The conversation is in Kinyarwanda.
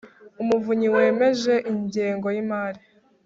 umuvunyi wemeje ingengo yimari